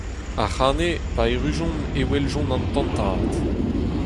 Ac'hane, pa errujont, e weljont an tantad.